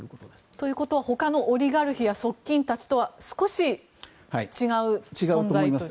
ということは他のオリガルヒや側近たちとは少し違う存在ですか？